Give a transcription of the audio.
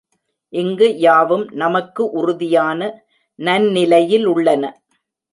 இங்கு யாவும் நமக்கு உறுதியான நன்னிலையிலுள்ளன.